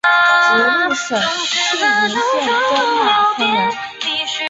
直隶省庆云县中马村人。